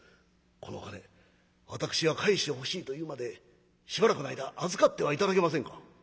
このお金私が返してほしいと言うまでしばらくの間預かっては頂けませんか？」。